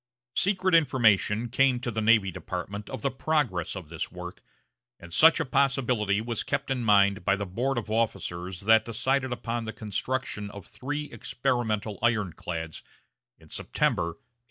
Secret information came to the Navy Department of the progress of this work, and such a possibility was kept in mind by the board of officers that decided upon the construction of the three experimental ironclads in September, 1861.